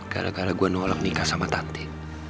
gara gara gua nolak nikah sama tanti